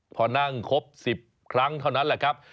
พอนั่งครบ๑๐ครั้งเท่านั้นแหละครับ